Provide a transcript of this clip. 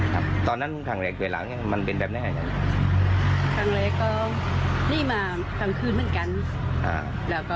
ครับตอนนั้นภังแรกเวลามันเป็นแบบไหนอาจารย์